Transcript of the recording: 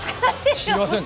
知りませんか？